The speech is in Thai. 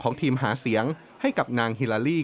ทีมหาเสียงให้กับนางฮิลาลี่